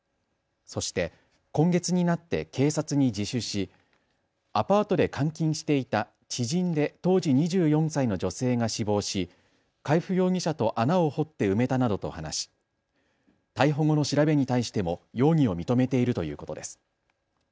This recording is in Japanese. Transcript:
そして今月になって警察に自首しアパートで監禁していた知人で当時２４歳の女性が死亡し海部容疑者と穴を掘って埋めたなどと話し逮捕後の調べに対しても容疑を認めているということです。